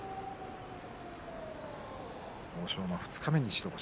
欧勝馬は二日目に白星。